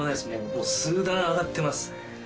もう数段上がってます。